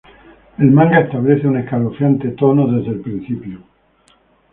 El manga establece un escalofriante tono desde el principio.